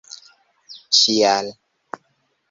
ĉial